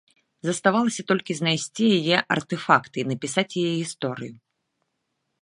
Заставалася толькі знайсці яе артэфакты і напісаць яе гісторыю.